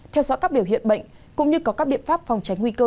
theo dõi các biểu hiện bệnh cũng như có các biện pháp phòng tránh nguy cơ